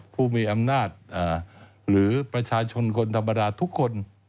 ผู้มีอำนาจหรือประชาชนคนธรรมดาทุกคน